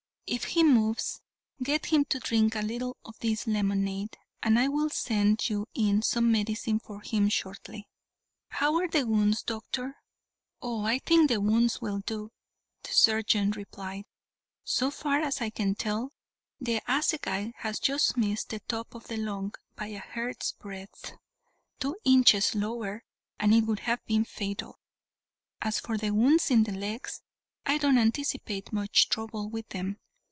If he moves, get him to drink a little of this lemonade, and I will send you in some medicine for him shortly." "How are the wounds, doctor?" "Oh, I think the wounds will do," the surgeon replied; "so far as I can tell, the assegai has just missed the top of the lung by a hair's breadth. Two inches lower and it would have been fatal. As for the wounds in the legs, I don't anticipate much trouble with them.